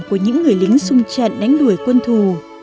của những người lính xung trận đánh đuổi quân thù